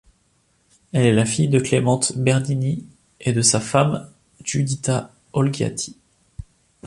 Elle est la fille de Clemente Bernini et de sa femme Giuditta Olgiati.